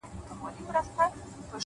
• ملنگ خو دي وڅنگ ته پرېږده،